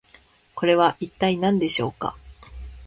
これは一体何でしょうか？